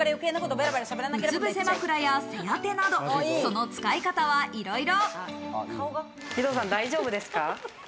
うつぶせ枕や背当てなど、その使い方はいろいろ。